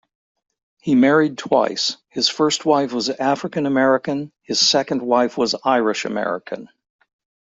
He married twice: his first wife was African-American, his second wife was Irish-American.